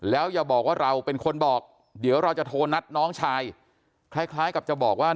แล้วอย่าบอกว่าเราเป็นคนบอกเดี๋ยวเราจะโทรนัดน้องชายคล้ายกับจะบอกว่า